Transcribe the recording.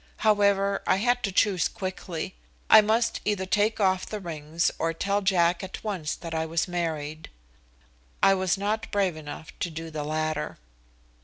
However, I had to choose quickly. I must either take off the rings or tell Jack at once that I was married. I was not brave enough to do the latter.